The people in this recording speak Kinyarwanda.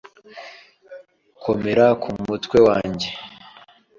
komera ku mutwe wanjye. ”